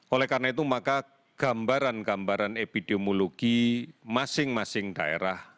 oleh karena itu maka gambaran gambaran epidemiologi masing masing daerah